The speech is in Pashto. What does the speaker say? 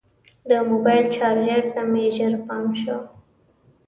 د موبایل چارجر ته مې ژر پام شو.